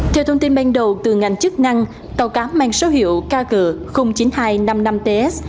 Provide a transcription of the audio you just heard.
theo thông tin ban đầu từ ngành chức năng tàu cá mang số hiệu kg chín nghìn hai trăm năm mươi năm ts